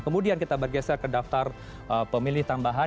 kemudian kita bergeser ke daftar pemilih tambahan